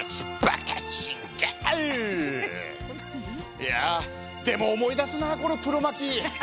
いやあでも思い出すなこのクロマキー。